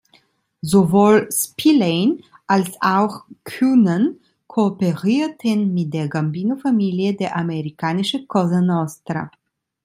Sowohl "Spillane" als auch "Coonan" kooperierten mit der Gambino-Familie der Amerikanische Cosa Nostra.